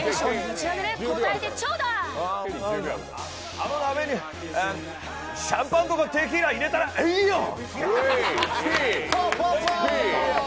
あの鍋にシャンパンとかテキーラ入れたらええやん！